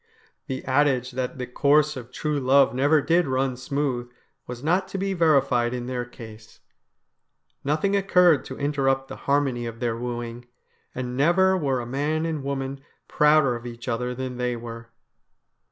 The adage that the course of true love never did run smooth was not to be verified in their case. Nothing occurred to interrupt the harmony of their wooing, and never were a man and woman prouder of each other than they were.